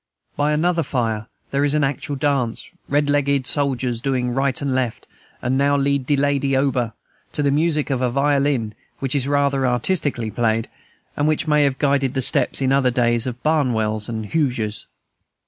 By another fire there is an actual dance, red legged soldiers doing right and left, and "now lead de lady ober," to the music of a violin which is rather artistically played, and which may have guided the steps, in other days, of Barnwells and Hugers.